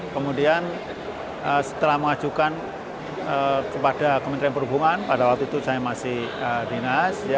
kemudian setelah mengajukan kepada kementerian perhubungan pada waktu itu saya masih dinas